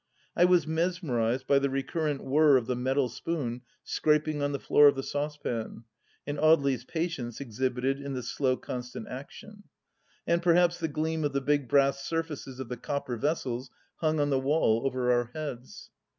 I was mesmerized by the recurrent whirr of the metal spoon scraping on the floor of the saucepan, and Audely's patience exhibited in the slow constant action. And perhaps the gleam of the big brass surfaces of the copper vessels hung on the wall over our heads.